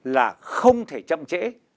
là không thể chậm trễ